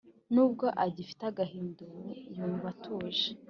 Nubwo agifite agahinda, ubu yumva atuje